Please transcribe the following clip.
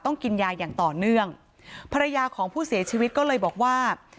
กินยาอย่างต่อเนื่องภรรยาของผู้เสียชีวิตก็เลยบอกว่า